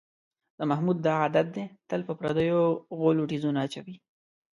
د محمود دا عادت دی، تل په پردیو غولو تیزونه اچوي.